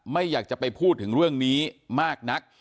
ไม่อยากจะไปพูดถึงเรื่องนี้มากนัก